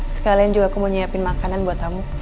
sekalian juga aku mau nyiapin makanan buat kamu